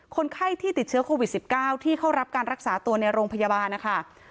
คนไข้ที่ติดเชื้อโควิด๑๙ที่เข้ารับการรักษาตัวในโรงพยาบาลนะคะ